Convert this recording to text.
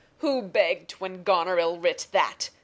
Who begg'd when Goneril writ that